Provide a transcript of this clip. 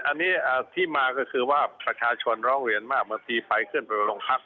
อันนี้ที่มาก็คือว่าประชาชนร้องเรียนมากบางทีไปขึ้นไปโรงพัก